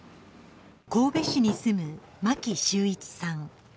神戸市に住む牧秀一さん。